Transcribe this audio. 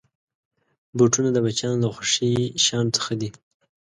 بوټونه د بچیانو له خوښې شيانو څخه دي.